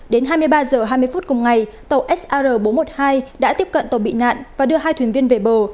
đến hai mươi ba h hai mươi phút cùng ngày tàu sr bốn trăm một mươi hai đã tiếp cận tàu bị nạn và đưa hai thuyền viên về bờ